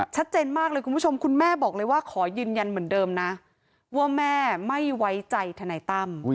ชัดเจนมากเลยคุณผู้ชมคุณแม่บอกเลยว่าขอยืนยันเหมือนเดิมนะว่าแม่ไม่ไว้ใจทนายตั้ม